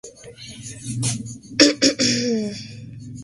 Fue el primer crucero de casco metálico construido en España.